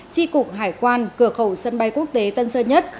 tri cục hải quan cửa khẩu sân bay quốc tế tân sơn nhất